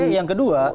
oke yang kedua